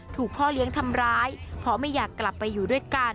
ถูกพ่อเลี้ยงทำร้ายเพราะไม่อยากกลับไปอยู่ด้วยกัน